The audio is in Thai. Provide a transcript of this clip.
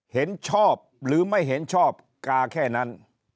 เห็นชอบหรือไม่เห็นชอบกาแค่นั้น